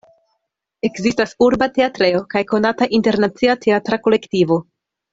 Ekzistas urba teatrejo, kaj konata internacia teatra kolektivo.